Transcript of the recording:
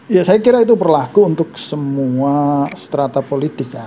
ya saya kira itu berlaku untuk semua strata politika